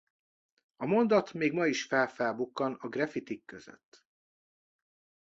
A mondat még ma is fel-felbukkan a graffitik között.